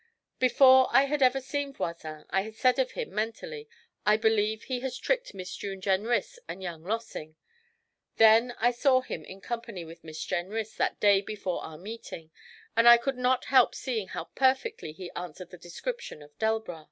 Before I had ever seen Voisin I had said of him, mentally, 'I believe he has tricked Miss June Jenrys and young Lossing.' Then I saw him in company with Miss Jenrys that day before our meeting, and I could not help seeing how perfectly he answered the description of Delbras.